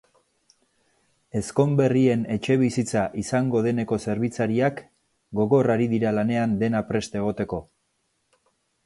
Ezkonberrien etxebizitza izango deneko zerbitzariak gogor ari dira lanean dena prest egoteko.